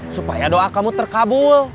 supaya doa kamu terkabul